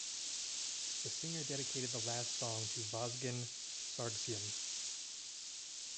The singer dedicated the last song to Vazgen Sargsyan.